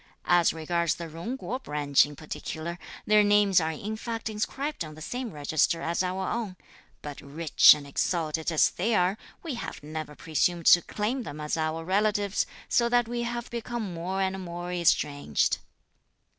As regards the Jung kuo branch in particular, their names are in fact inscribed on the same register as our own, but rich and exalted as they are, we have never presumed to claim them as our relatives, so that we have become more and more estranged."